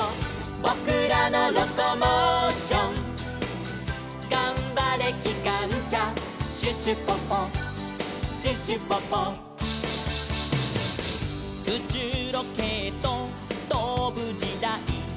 「ぼくらのロコモーション」「がんばれきかんしゃ」「シュシュポポシュシュポポ」「うちゅうロケットとぶじだい」